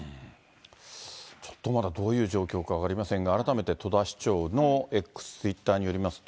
ちょっとまだどういう状況か分かりませんが、改めて戸田市長のＸ、ツイッターによりますと。